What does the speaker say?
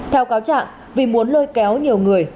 theo cáo trạng vì muốn lôi kéo nhiều người